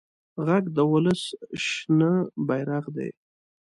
غږ د ولس شنه بېرغ دی